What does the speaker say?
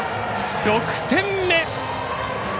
６点目。